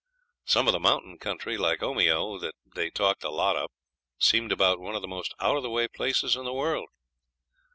Some of the mountain country, like Omeo, that they talked a lot of, seemed about one of the most out of the way places in the world.